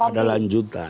masih ada lanjutan